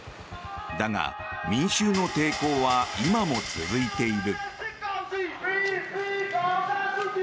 だが、民衆の抵抗は今も続いている。